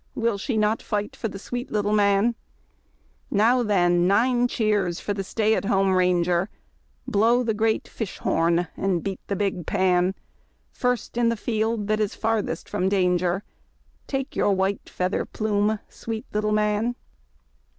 Will she not fight for the sweet little man ! Now, then, nine cheers for the Stay at home Ranger! Blow the great fish horn and beat the big pan! First in the field, that is farthest from danger. Take your white feather plume, sweet little man!